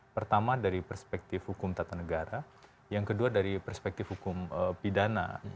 pertama dari perspektif hukum tata negara yang kedua dari perspektif hukum pidana